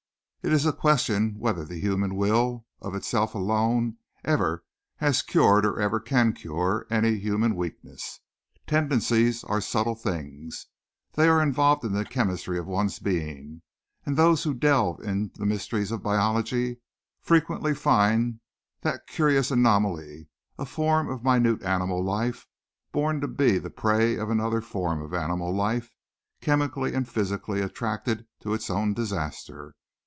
It is a question whether the human will, of itself alone, ever has cured or ever can cure any human weakness. Tendencies are subtle things. They are involved in the chemistry of one's being, and those who delve in the mysteries of biology frequently find that curious anomaly, a form of minute animal life born to be the prey of another form of animal life chemically and physically attracted to its own disaster.